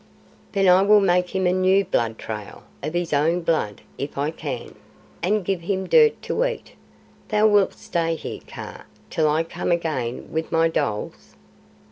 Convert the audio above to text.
"Then I will make him a new blood trail, of his own blood, if I can, and give him dirt to eat. Thou wilt stay here, Kaa, till I come again with my dholes?"